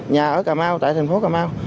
nhà ở cà mau tại thành phố cà mau